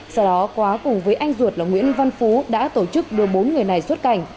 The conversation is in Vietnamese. sau đó quá cùng với anh ruột là nguyễn văn phú đã tổ chức đưa bốn người này xuất cảnh